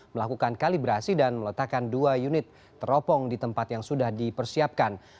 melakukan kalibrasi dan meletakkan dua unit teropong di tempat yang sudah dipersiapkan